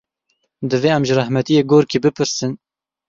Divê em ji rehmetiyê Gorkî bipirsin.